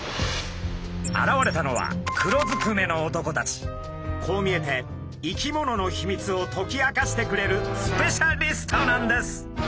現れたのはこう見えて生き物のヒミツを解き明かしてくれるスペシャリストなんです。